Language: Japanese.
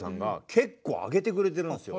結構挙げてくれてるんですよ。